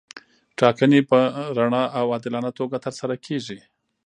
ټاکنې په رڼه او عادلانه توګه ترسره کیږي.